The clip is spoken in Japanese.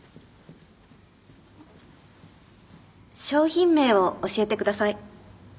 商品名を教えてください。